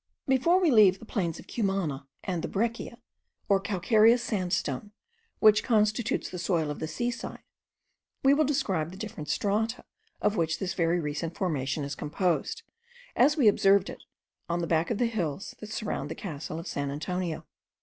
Before we leave the plains of Cumana, and the breccia, or calcareous sandstone, which constitutes the soil of the seaside, we will describe the different strata of which this very recent formation is composed, as we observed it on the back of the hills that surround the castle of San Antonio.